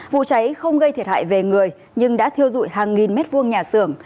vụ cháy không gây thiệt hại về người nhưng đã thiêu dụi hàng nghìn mét vuông nhà xưởng